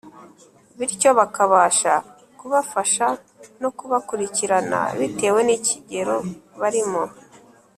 bityo bakabasha kubafasha no kubakurikirana bitewe n’ikigero barimo.